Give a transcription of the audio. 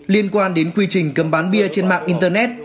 liên quan đến quy trình cấm bán bia trên mạng internet